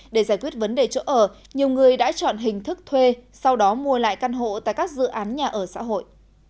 để giải quyết vấn đề chỗ ở nhiều người đã chọn hình thức thuê sau đó mua lại căn hộ tại các dự án nhà ở xã hội